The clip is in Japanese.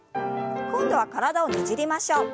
今度は体をねじりましょう。